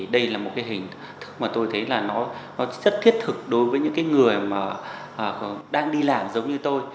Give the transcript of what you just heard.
đây là một hình thức mà tôi thấy rất thiết thực đối với những người đang đi làm giống như tôi